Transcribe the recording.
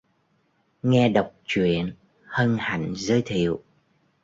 Nghe đọc truyện hân hạnh giới thiệu